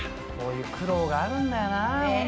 こういう苦労があるんだよな。